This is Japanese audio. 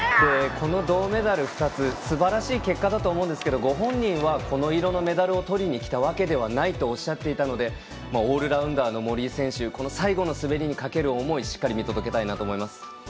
この銅メダル２つすばらしい結果だと思うんですけどご本人はこの色のメダルをとりにきたわけではないとおっしゃっていたのでオールラウンダーの森井選手最後の滑りにかける思いをしっかり見届けたいと思います。